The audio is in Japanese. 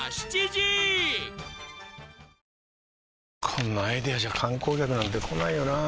こんなアイデアじゃ観光客なんて来ないよなあ